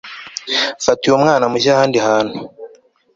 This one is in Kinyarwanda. fata uyu mwana mujye ahandi hantu